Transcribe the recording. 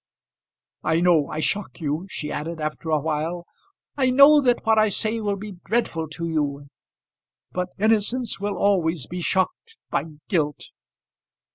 I know I shock you," she added, after a while. "I know that what I say will be dreadful to you. But innocence will always be shocked by guilt.